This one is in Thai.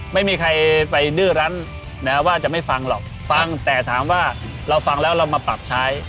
ไม่มีใครไปดื้อรั้นนะว่าจะไม่ฟังหรอกฟังแต่ถามว่าเราฟังแล้วเรามาปรับใช้